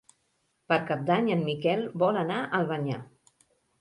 Per Cap d'Any en Miquel vol anar a Albanyà.